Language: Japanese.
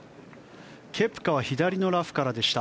ケプカは左のラフからでした。